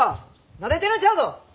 なでてるんちゃうぞ！